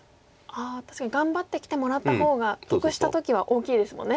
ああ確かに頑張ってきてもらった方が得した時は大きいですもんね。